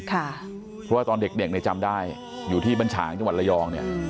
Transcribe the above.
เพราะว่าตอนเด็กในจำได้อยู่ที่บรรฉางจังหวัดระยองเนี่ย